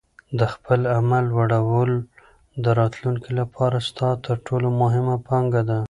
د خپل علم لوړول د راتلونکي لپاره ستا تر ټولو مهمه پانګه ده.